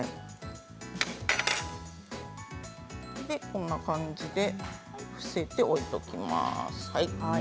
こんな感じで伏せて置いておきます。